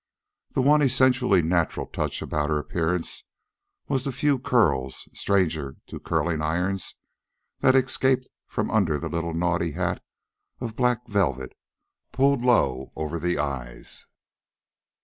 The one essentially natural touch about her appearance was the few curls, strangers to curling irons, that escaped from under the little naughty hat of black velvet pulled low over the eyes.